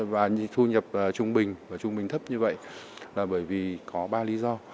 và thu nhập trung bình và trung bình thấp như vậy là bởi vì có ba lý do